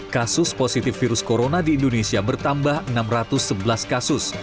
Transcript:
kasus positif virus corona di indonesia bertambah enam ratus sebelas kasus